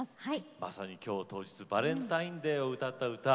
まさに今日当日バレンタインデーを歌った歌。